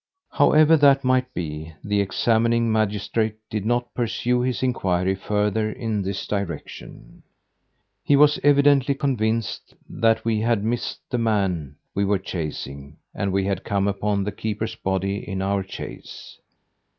However that might be, the examining magistrate did not pursue his inquiry further in this direction. He was evidently convinced that we had missed the man we were chasing and we had come upon the keeper's body in our chase.